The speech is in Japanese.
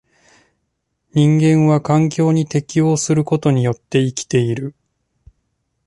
人間は環境に適応することによって生きている。